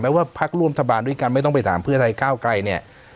ไม่ว่าภาคร่วมทบาทด้วยกันไม่ต้องไปถามเพื่อไทยเก้าไกร